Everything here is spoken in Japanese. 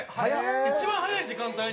一番早い時間帯に。